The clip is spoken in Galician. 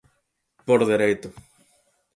Por dereito.